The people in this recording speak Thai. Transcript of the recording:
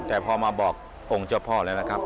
แต่พอมาบอกองค์เจ้าพ่อแล้วนะครับ